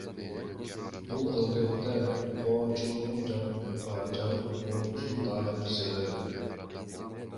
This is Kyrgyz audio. Бул ЛГБТ коомчулугунун жабык болуусунун дагы бир себеби.